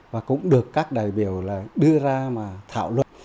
và cũng được các đại biểu là đưa ra mà thảo luận